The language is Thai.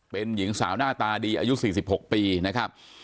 เป็นหญิงสาวหน้าตาดีอายุ๔๖ปีนะครับ